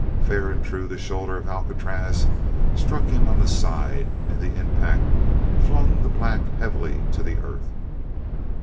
Fair and true the shoulder of Alcatraz struck him on the side and the impact flung the black heavily to the earth.